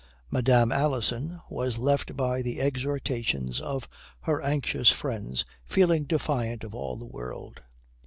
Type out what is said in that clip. Madame Alison was left by the exhortations of her anxious friends feeling defiant of all the world.